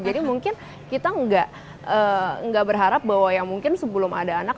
jadi mungkin kita gak berharap bahwa yang mungkin sebelum ada anak